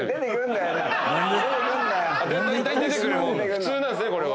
普通なんすねこれは。